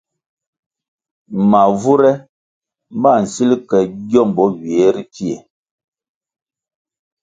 Mavure ma nsil ke giómbò ywiè ri pfie.